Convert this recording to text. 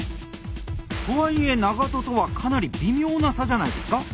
とはいえ長渡とはかなり微妙な差じゃないですか？